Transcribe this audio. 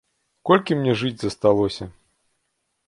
Колькі мне жыць засталося.